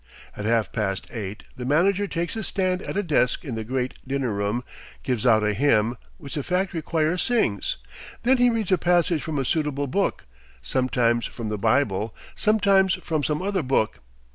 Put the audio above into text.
At half past eight, the manager takes his stand at a desk in the great dinner room, gives out a hymn, which the factory choir sings. Then he reads a passage from a suitable book, sometimes from the Bible, sometimes from some other book.